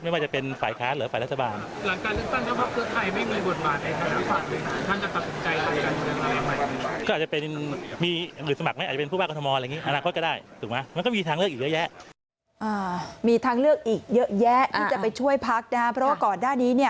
ไม่ว่าจะเป็นฝ่ายค้านหรือฝ่ายรัฐบาล